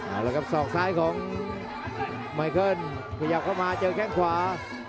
เอาละครับสองซ้ายของไมค์เขาลองเบียดเข้ามาเจอแค่งขวา